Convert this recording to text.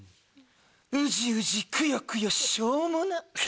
うじうじくよくよしょうもな！